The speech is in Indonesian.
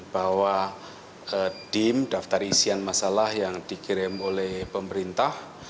bahwa dim daftar isian masalah yang dikirim oleh pemerintah